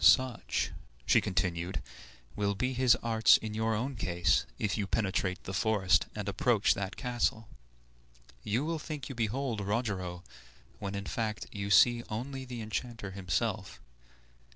"Such," she continued, "will be his arts in your own case, if you penetrate the forest and approach that castle. You will think you behold Rogero, when, in fact, you see only the enchanter himself.